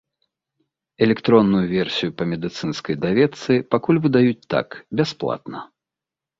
Электронную версію па медыцынскай даведцы пакуль выдаюць так, бясплатна.